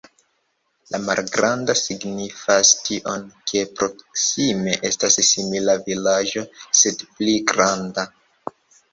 La malgranda signifas tion, ke proksime estas simila vilaĝo, sed pli granda.